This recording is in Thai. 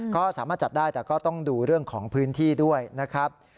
ก็สามารถจัดได้แต่ก็ต้องดูเรื่องของพื้นที่ด้วยนะครับ